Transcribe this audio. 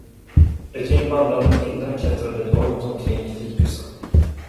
Ett gäng vandrade pinnar klättrade lojt omkring i fikusen.